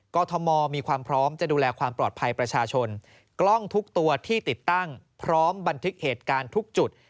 กรทมมีความพร้อมจะดูแลความปลอดภัยประชาชนกล้องทุกตัวที่ติดตั้งพร้อมบันทึกเหตุการณ์ทุกจุด